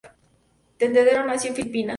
Tendero nació en Filipinas.